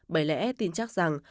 bởi lẽ tin chắc rằng